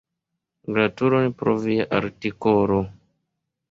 Gratulon pro via artikolo!